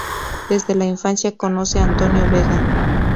Desde la infancia, conoce a Antonio Vega.